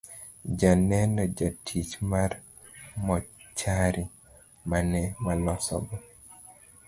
Joneno jatich mar mochari mane walosogo